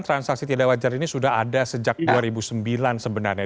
transaksi tidak wajar ini sudah ada sejak dua ribu sembilan sebenarnya